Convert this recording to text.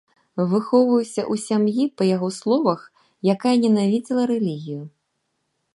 Выхоўваўся ў сям'і, па яго словах, якая ненавідзела рэлігію.